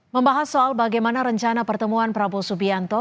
membahas soal bagaimana rencana pertemuan prabowo subianto